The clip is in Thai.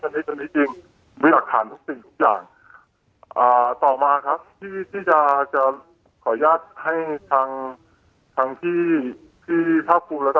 อันนี้ตัวนี้จริงมีหลักฐานทุกสิ่งทุกอย่างต่อมาครับที่จะจะขออนุญาตให้ทางทางที่พี่ภาคภูมิแล้วก็